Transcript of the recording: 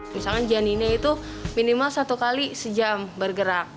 misalkan janinnya itu minimal satu kali sejam bergerak